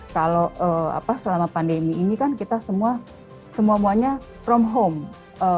kalau selama pandemi ini kan kita semua semuanya from home